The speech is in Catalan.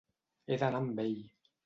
He d'anar amb ell.